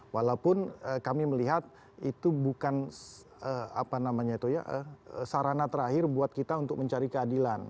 walaupun kami melihat itu bukan sarana terakhir buat kita untuk mencari keadilan